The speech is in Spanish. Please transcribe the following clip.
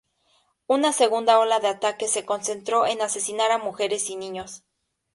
Una segunda ola de ataques se concentró en asesinar a mujeres y niños.